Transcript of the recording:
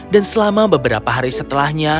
dan selama beberapa hari setelahnya